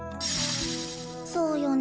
「そうよね。